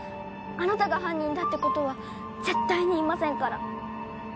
あなたが犯人だってことは絶対に言いませんから